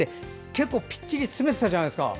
結構ぴっちりつめてたじゃないですか。